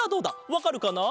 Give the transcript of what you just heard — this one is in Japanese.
わかるかな？